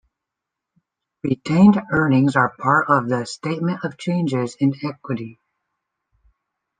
Retained Earnings are part of the "Statement of Changes in Equity".